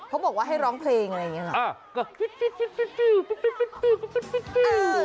เขาบอกว่าให้ร้องเพลงอะไรอย่างนี้หรอ